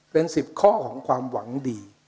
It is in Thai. เป็น๑๐ข้อของความหวังดี